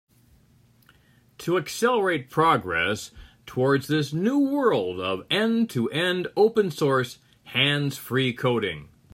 To accelerate progress towards this new world of end-to-end open source hands-free coding.